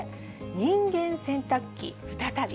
人間洗濯機再び。